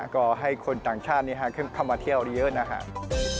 ก็ให้คนต่างชาติเข้ามาเที่ยวเยอะนะครับ